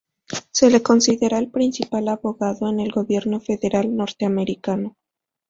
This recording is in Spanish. Se le considera el principal abogado en el Gobierno Federal norteamericano.